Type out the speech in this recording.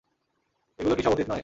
এগুলো কি সব অতীত নয়?